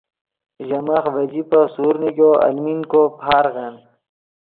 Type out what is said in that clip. ژے ماخ ڤے جیبف سورڤ نیگو المین کو پارغن